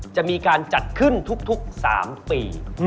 จะมีการจัดขึ้นทุก๓ปี